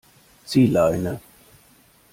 Zieh Leine!